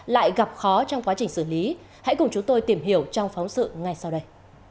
lại gặp khó trong quá trình xử lý hãy cùng chúng tôi tìm hiểu trong phóng sự ngay sau đây